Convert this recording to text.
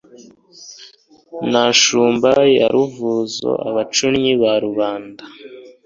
Na Shumba* ya Ruvuzo Abacunnyi* ba Rubanda.